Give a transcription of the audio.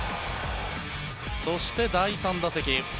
そして、第３打席。